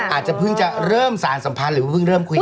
อาจจะพึ่งจะเริ่มสารสัมพันธ์หรือพึ่งเริ่มคุยกัน